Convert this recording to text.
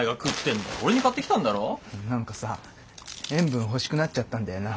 何かさ塩分欲しくなっちゃったんだよな。